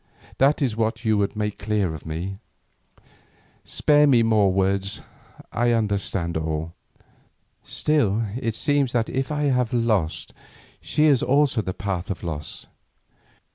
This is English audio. That is what you would make clear to me. Spare me more words, I understand all. Still it seems that if I have lost, she is also in the path of loss.